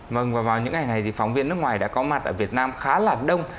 vâng và vào những ngày này thì phóng viên nước ngoài đã có mặt ở việt nam khá là đông